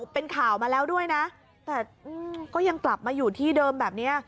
เป็นข่าวมาแล้วด้วยนะแต่ก็ยังกลับมาอยู่ที่เดิมแบบนี้